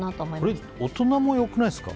これ、大人もよくないですか。